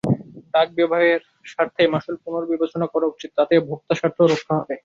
ডাক বিভাগের স্বার্থেই মাশুল পুনর্বিবেচনা করা উচিত, তাতে ভোক্তাস্বার্থও রক্ষা হবে।